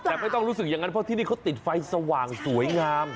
แต่ไม่ต้องรู้สึกอย่างนั้นเพราะที่นี่เขาติดไฟสว่างสวยงาม